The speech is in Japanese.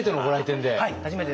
はい初めてです。